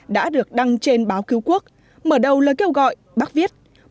đã được đăng trên báo cứu quốc mở đầu lời kêu gọi bác viết